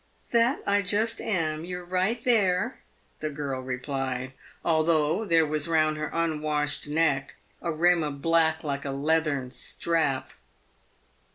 " That I just am — you're right there," the girl replied, although there was round her unwashed neck a rim of black like a leathern strap.